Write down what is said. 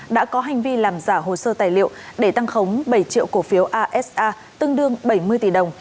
đã có hành vi làm giả hồ sơ tài liệu để tăng khống bảy triệu cổ phiếu asa tương đương bảy mươi tỷ đồng